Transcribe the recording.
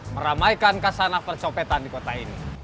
meramaikan kasanah percopetan di kota ini